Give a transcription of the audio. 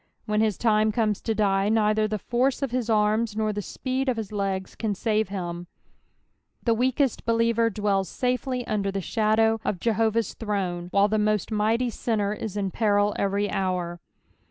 When hia time comes to die, neither the force of his arms nor the speed of his legs can uve Ima. Thg weakest believer dwells safely under the shadow of Jehovah's 120 EXPOSITIONS OF THE PSAUJS. Uirune, while the most mightj Binner is in peril every hour.